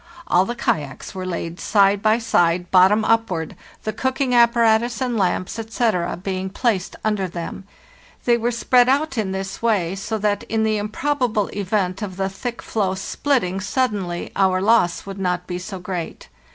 All the kayaks were laid side by side bottom. upward, 70 FARTHEST NORTH the cooking apparatus and lamps, etc., being placed under them. They were spread out in this way, so that in the improbable event of the thick floe splitting suddenly our loss would not be so great.